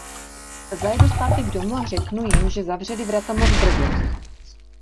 Zajedu zpátky k domu a řeknu jim, že zavřeli vrata moc brzy.